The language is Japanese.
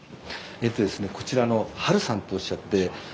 えっとですねこちらのハルさんとおっしゃって